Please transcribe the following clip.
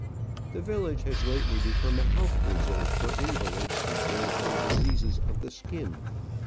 The village has lately become a health resort for invalids suffering from diseases of the skin.